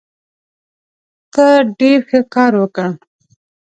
ته ډېر ښه کار وکړ.